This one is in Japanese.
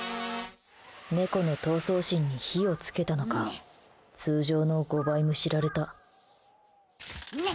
猫の闘争心に火を付けたのか通常の５倍むしられた。